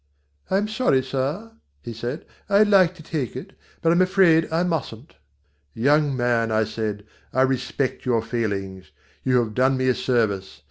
"I'm sorry, sir," he said. "I'd like to take it, but I'm afraid I mustn't." "Young man," I said, "I respect your feelings. You have done me a service.